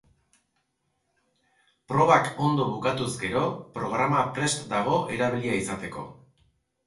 Probak ondo bukatuz gero, programa prest dago erabilia izateko.